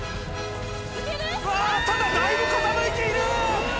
うわあただだいぶ傾いている！